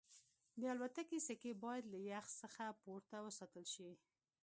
د الوتکې سکي باید له یخ څخه پورته وساتل شي